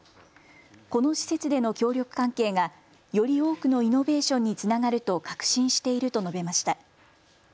この施設での協力関係がより多くのイノベーションにつながると確信していると述べました。